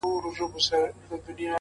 o لږ به خورم هوسا به اوسم.